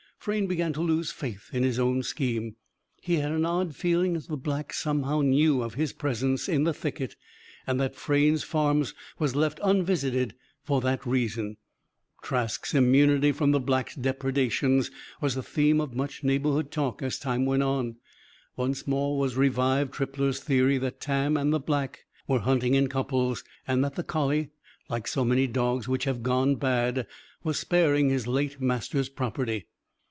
Frayne began to lose faith in his own scheme. He had an odd feeling that the Black somehow knew of his presence in the thicket and that Frayne's Farms was left unvisited for that reason. Trask's immunity from the Black's depredations was the theme of much neighboured talk, as time went on. Once more was revived Trippler's theory that Tam and the Black were hunting in couples and that the collie (like so many dogs which have "gone bad") was sparing his late master's property.